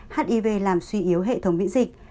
hiv làm suy yếu hệ thống miễn dịch